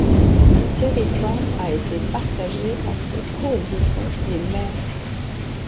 Son territoire a été partagé entre Courbouzon et Mer.